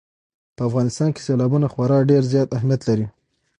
په افغانستان کې سیلابونه خورا ډېر زیات اهمیت لري.